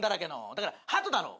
だからハトだろ？